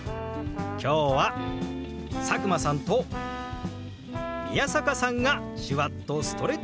今日は佐久間さんと宮坂さんが手話っとストレッチ！